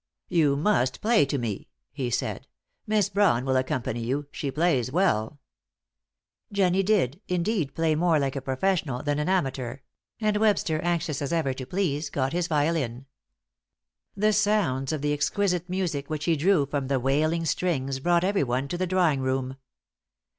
"You must play to me," he said. "Miss Brawn will accompany you; she plays well." Jennie did, indeed, play more like a professional than an amateur; and Webster, anxious as ever to please, got his violin. The sounds of the exquisite music which he drew from the wailing strings brought everyone to the drawing room.